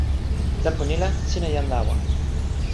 tenpo ni la, sina jan lawa!